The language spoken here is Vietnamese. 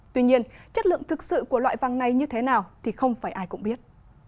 tuy nhiên chất lượng thực sự của loại vàng này như thế nào thì không phải ai cũng biết